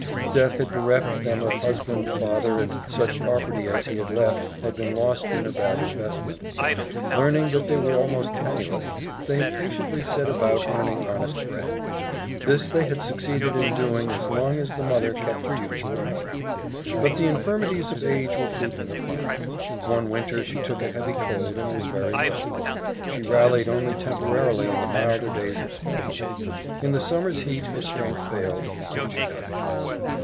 Death had bereft them of husband, father, and such property as he had left had been lost in a bad investment. Learning that they were almost penniless, they had patiently set about earning honest bread. This they had succeeded in doing as long as the mother kept her usual health. But the infirmities of age were creeping upon her. One winter she took a heavy cold and was very ill. She rallied only temporarily in the milder days of spring. In the summer's heat her strength failed, and she died.